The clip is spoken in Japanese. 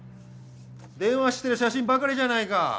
電話してる写真ばかりじゃないか！